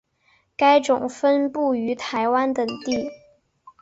该种分布于台湾等地。